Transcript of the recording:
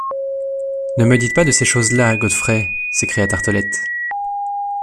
Ne me dites pas de ces choses-là, Godfrey, s’écria Tartelett.